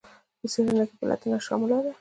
په څیړنه کې پلټنه شامله ده.